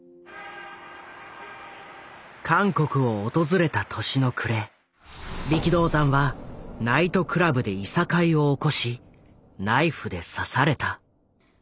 韓国を訪れた年の暮れ力道山はナイトクラブでいさかいを起こしナイフで刺された。